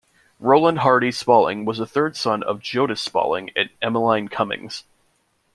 Rolland Harty Spaulding was the third son of Jonas Spaulding and Emeline Cummings.